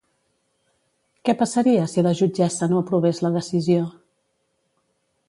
Què passaria si la jutgessa no aprovés la decisió?